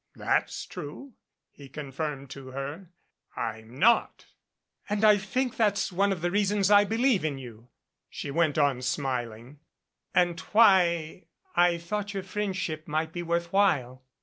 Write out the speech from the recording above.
"That's true," he confirmed her. "I'm not." "And I think that's one of the reasons I believe in you," she went on, smiling, "and why I thought your friendship might be worth while.